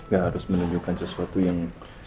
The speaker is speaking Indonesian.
gak harus menunjukkan sesuatu yang